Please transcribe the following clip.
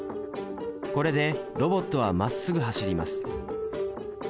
これでロボットはまっすぐ走ります。